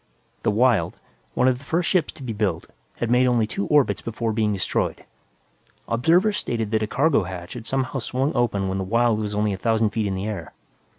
The Wyld, one of the first ships to be built, had made only two orbits before being destroyed. Observers stated that a cargo hatch had somehow swung open when the Wyld was only a thousand feet in the air.